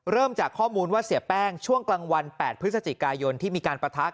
เริ่มจากข้อมูลว่าเสียแป้งช่วงกลางวัน๘พฤศจิกายนที่มีการปะทะ